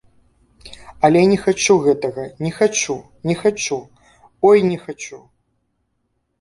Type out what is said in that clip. Але не хачу гэтага, не хачу, не хачу, ой не хачу!